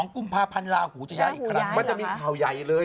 กุมภาพันธ์ลาหูจะย้ายอีกครั้งมันจะมีข่าวใหญ่เลย